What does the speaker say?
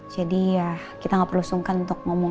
jadi ya kita gak perlu sungkan untuk ngomong